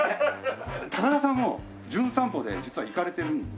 高田さんも『じゅん散歩』で実は行かれてるんです。